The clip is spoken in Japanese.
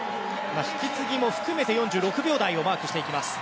引き継ぎも含めて４６秒台をマークしています。